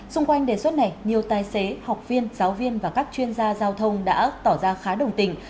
xung quanh đề xuất này nhiều tài xế học viên giáo viên và các chuyên gia giao thông đã tỏ ra khá đồng tình